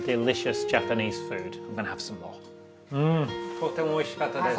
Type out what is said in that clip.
とてもおいしかったです。